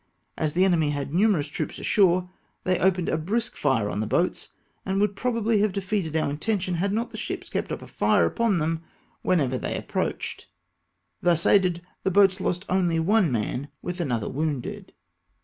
As the enemy had numerous troops ashore, they opened a brisk fire on the boats, and would pro bably have defeated our intention, had not the ships kept up a fire upon them whenever they approached. Thus aided, the boats lost only one man, with another wounded.